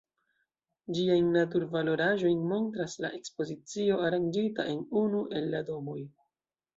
Ĝiajn natur-valoraĵojn montras la ekspozicio aranĝita en unu el la domoj.